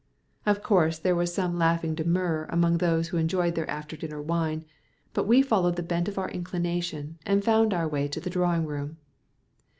Of course there was some laughing demur among those who enjoyed their after dinner wine, but we followed the bent of our inclination, and found our way to the drawing room.